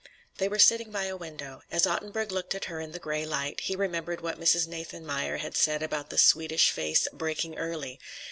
They were sitting by a window. As Ottenburg looked at her in the gray light, he remembered what Mrs. Nathanmeyer had said about the Swedish face "breaking early."